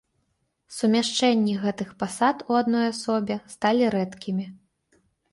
Сумяшчэнні гэтых пасад у адной асобе сталі рэдкімі.